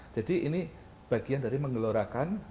jadi ini bagian dari mengelorakan